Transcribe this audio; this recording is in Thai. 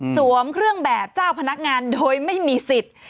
เครื่องแบบเจ้าพนักงานโดยไม่มีสิทธิ์